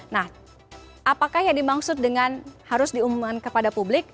nah apakah yang dimaksud dengan harus diumumkan kepada publik